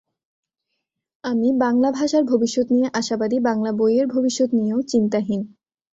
আমি বাংলা ভাষার ভবিষ্যৎ নিয়ে আশাবাদী, বাংলা বইয়ের ভবিষ্যৎ নিয়েও চিন্তাহীন।